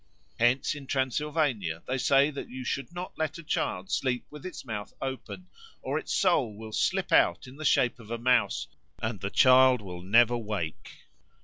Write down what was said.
Hence in Transylvania they say that you should not let a child sleep with its mouth open, or its soul will slip out in the shape of a mouse, and the child will never wake.